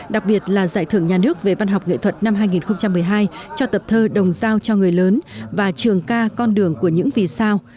đặc biệt là giải thưởng nhà nước về văn học nghệ thuật năm hai nghìn một mươi hai cho tập thơ đồng giao cho người lớn và trường ca con đường của những vì sao